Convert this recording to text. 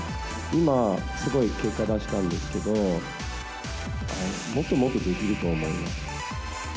今、すごい結果出したんですけど、もっともっとできると思う。